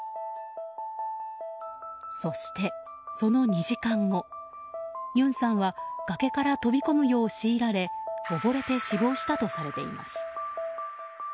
そして、その２時間後ユンさんは崖から飛び込むよう強いられ溺れて死亡したとされています。